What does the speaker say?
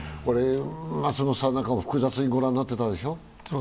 松本さんなんかも複雑に御覧になっていたでしょう？